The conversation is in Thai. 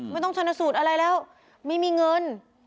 ไม่ต้องชนะสูตรอะไรแล้วไม่มีเงิน